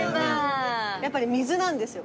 やっぱり水なんですよ。